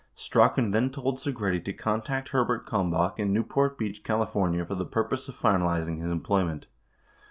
8 Strachan then told Segretti to contact Herbert Kalmbach in New port Beach, Calif., for the purpose of finalizing his employment.